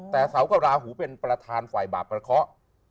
แต่เสากับราหูเป็นประธานฝ่ายบาปประเคาะ